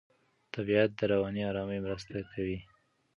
طبیعت د رواني آرامۍ مرسته کوي.